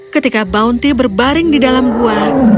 ketika bounty berbaring di dalam gua